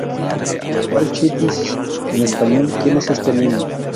What Child Is This?, en español, ¿Quien es este Niño?